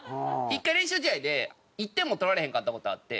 １回練習試合で１点も取られへんかった事あって。